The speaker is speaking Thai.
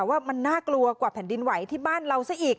ว่ามันน่ากลัวกว่าแผ่นดินไหวที่บ้านเราซะอีก